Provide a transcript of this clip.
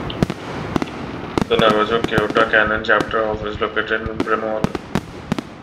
The Navajo Coyote Canyon Chapter House is located in Brimhall.